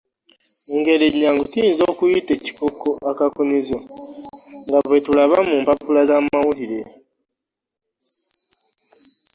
Mu ngeri ennyangu tuyinza okuyita ekikokko akakunizo nga bwe tulaba mu mpapula z’amawulire.